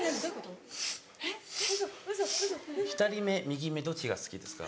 左目右目どっちが好きですか？